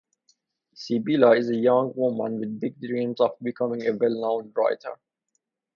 Sybylla is a young woman with big dreams of becoming a well-known writer.